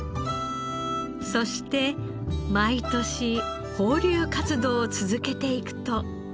そして毎年放流活動を続けていくと。